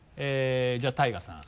じゃあＴＡＩＧＡさん。